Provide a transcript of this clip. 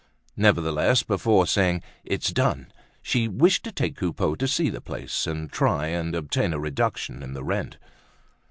Nevertheless, before saying "it's done!" she wished to take Coupeau to see the place, and try and obtain a reduction in the rent.